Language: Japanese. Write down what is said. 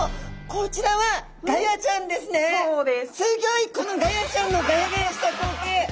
このガヤちゃんのガヤガヤした光景。